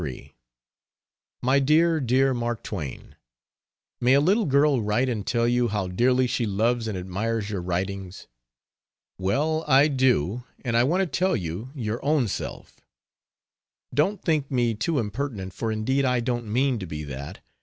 MY DEAR, DEAR MARK TWAIN, May a little girl write and tell you how dearly she loves and admires your writings? Well, I do and I want to tell you your ownself. Don't think me too impertinent for indeed I don't mean to be that!